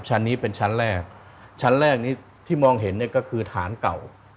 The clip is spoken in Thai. ชั้นนี้เป็นชั้นแรกชั้นแรกนี้ที่มองเห็นเนี่ยก็คือฐานเก่า